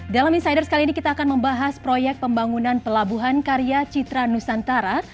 dalam insiders kali ini kita akan membahas proyek pembangunan pelabuhan karya citra nusantara